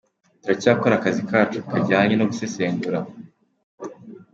Turacyakora akazi kacu kajyanye no gusesengura.